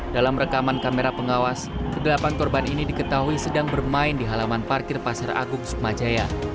dalam rekaman kamera pengawas ke delapan korban ini diketahui sedang bermain di halaman parkir pasar agung sukmajaya